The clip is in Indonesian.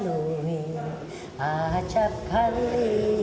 jalui acap kali